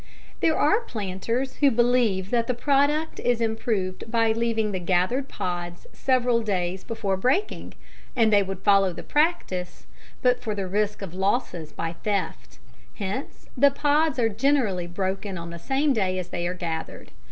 _ There are planters who believe that the product is improved by leaving the gathered pods several days before breaking; and they would follow the practice, but for the risk of losses by theft. Hence the pods are generally broken on the same day as they are gathered.